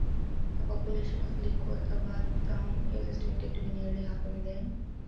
The population of Liaquatabad Town is estimated to be nearly half a million.